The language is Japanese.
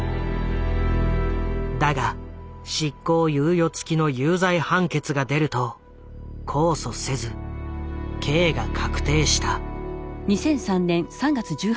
だが執行猶予付きの有罪判決が出ると控訴せず刑が確定した。